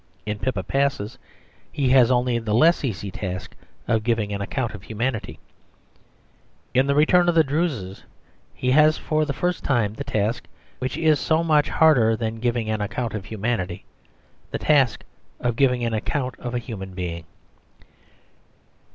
In Pippa Passes he has the only less easy task of giving an account of humanity. In The Return of the Druses he has for the first time the task which is so much harder than giving an account of humanity the task of giving an account of a human being.